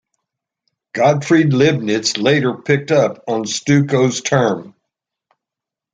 Gottfried Leibniz later picked up on Steuco's term.